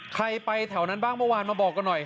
ใครไปแถวนั้นบ้างเมื่อวานมาบอกกันหน่อย